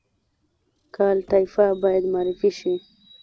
کالтура باید معرفي شي